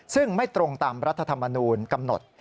ซึ่งไม่ตรงตามรัฐธรรมนูลกำหนด